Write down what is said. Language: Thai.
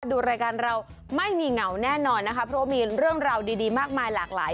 ดูรายการเราไม่มีเหงาแน่นอนนะคะเพราะว่ามีเรื่องราวดีมากมายหลากหลาย